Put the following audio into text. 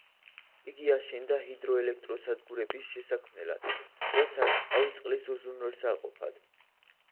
იგი აშენდა ჰიდროელექტროსადგურების შესაქმნელად და სარწყავი წყლის უზრუნველსაყოფად.